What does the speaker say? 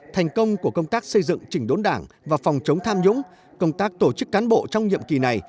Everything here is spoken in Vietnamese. thành công của công tác xây dựng chỉnh đốn đảng và phòng chống tham nhũng công tác tổ chức cán bộ trong nhiệm kỳ này